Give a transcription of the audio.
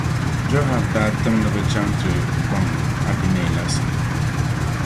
Jɔab daa tim ni bɛ cham’ ti gɔŋ Abinɛr labisi na.